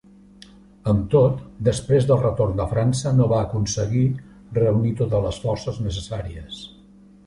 Amb tot, després del retorn de França no va aconseguir reunir totes les forces necessàries.